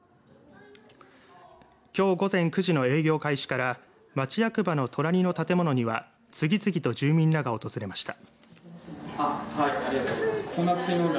きょう午前９時の営業開始から町役場の隣の建物には次々と住民らが訪れました。